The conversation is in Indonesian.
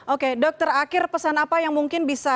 oke dokter akhir pesan apa yang mungkin bisa